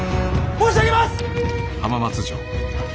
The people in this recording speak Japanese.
申し上げます。